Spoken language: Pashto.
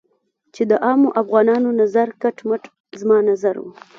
چې د عامو افغانانو نظر کټ مټ زما نظر و.